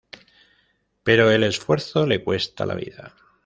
Pero el esfuerzo, le cuesta la vida.